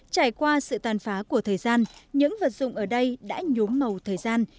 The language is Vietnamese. trải qua sự toàn phá của thời gian những vật dụng ở đây đã nhúm màu thời gian